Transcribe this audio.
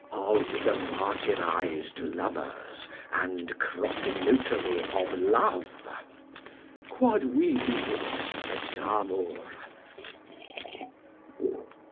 of the martyrized lovers, and croquenotary of love. Quod vidimus, testamur.